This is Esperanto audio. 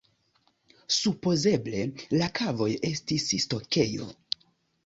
Supozeble la kavoj estis stokejo.